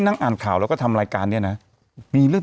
นั่งอ่านข่าวแล้วก็ทำรายการเนี่ยนะ